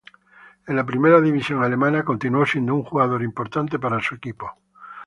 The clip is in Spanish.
En la primera división alemana continuó siendo un jugador importante para su equipo.